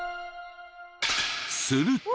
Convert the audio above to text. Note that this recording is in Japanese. すると。